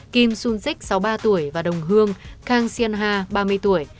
kim sun sik sáu mươi ba tuổi và đồng hương kang sian ha ba mươi tuổi